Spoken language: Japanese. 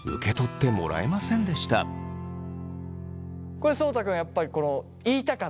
これそうた君はやっぱり言いたかった？